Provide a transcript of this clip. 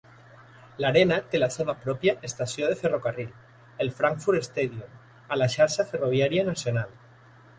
L'Arena té la seva pròpia estació de ferrocarril, el Frankfurt Stadion, a la xarxa ferroviària nacional.